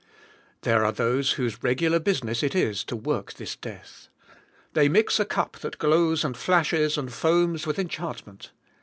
There are those whose regular business it is to work this death. They mix a cup that glows and flashes and foams with enchantment.